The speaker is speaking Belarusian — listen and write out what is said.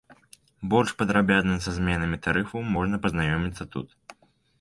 Больш падрабязна са зменамі тарыфаў можна пазнаёміцца тут.